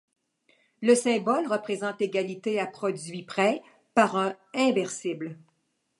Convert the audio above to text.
Le symbole ~ représente l'égalité à produit près par un inversible.